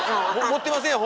持ってませんよ